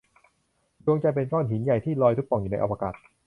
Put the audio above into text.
ดวงจันทร์เป็นก้อนหินใหญ่ ที่ลอยตุ๊บป่องอยู่ในอวกาศ